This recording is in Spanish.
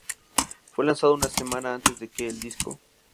Fue lanzado una semana antes que el disco.